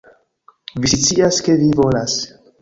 Vi scias, ke vi volas